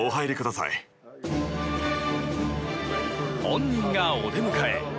本人がお出迎え。